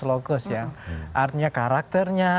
logos ya artnya karakternya